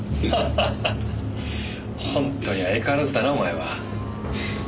ほんとに相変わらずだなお前は。